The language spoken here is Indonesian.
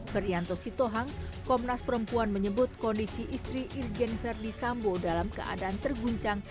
berianto sitohang komnas perempuan menyebut kondisi istri irjen ferdisambo dalam keadaan terguncang